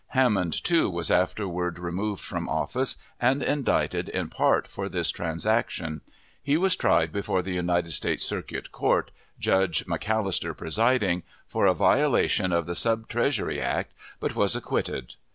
Hammond, too, was afterward removed from office, and indicted in part for this transaction. He was tried before the United States Circuit Court, Judge McAlister presiding, for a violation of the sub Treasury Act, but was acquitted.